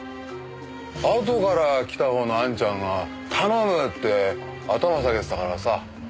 あとから来た方のあんちゃんが頼む！って頭下げてたからさ。